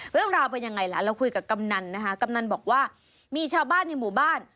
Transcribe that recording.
เรื่องราวเป็นยังไงล่ะเราคุยกับกำนันนะคะกำนันบอกว่ามีชาวบ้านในหมู่บ้าน